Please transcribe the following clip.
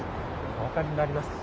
お分かりになりますか？